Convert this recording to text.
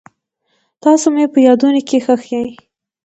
تاسو مې په یادونو کې ښخ یئ.